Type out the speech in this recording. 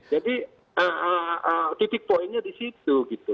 jadi titik poinnya di situ gitu